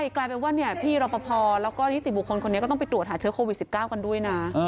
กลายเป็นว่าพี่รอปภแล้วก็นิติบุคคลคนนี้ก็ต้องไปตรวจหาเชื้อโควิด๑๙กันด้วยนะ